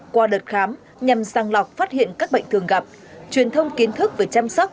qua đợt khám nhằm sang lọc phát hiện các bệnh thường gặp truyền thông kiến thức về chăm sóc